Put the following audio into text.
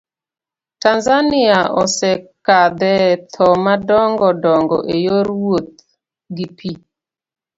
Tanzania osekadhe thoo madongo dongo eyor wouth gi pii.